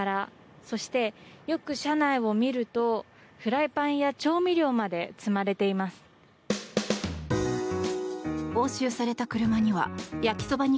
そして、よく車内を見るとフライパンや調味料まで積まれています。